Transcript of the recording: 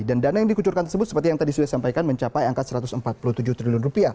dan dana yang dikucurkan tersebut seperti yang tadi sudah disampaikan mencapai angka rp satu ratus empat puluh tujuh triliun